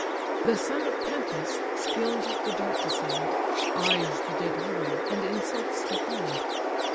The son of Panthus, skill'd the dart to send, Eyes the dead hero, and insults the friend.